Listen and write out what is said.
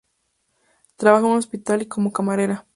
Trabajaba en un hospital y como camarera.